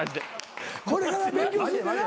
これから勉強すんねんな？